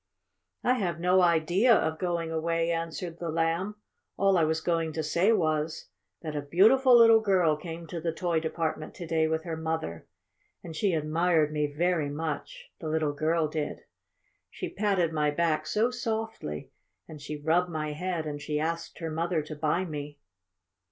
"I have no idea of going away!" answered the Lamb. "All I was going to say was that a beautiful little girl came to the toy department to day with her mother, and she admired me very much the little girl did. She patted my back so softly, and she rubbed my head and she asked her mother to buy me."